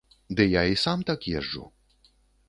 Ды, я і сам так езджу.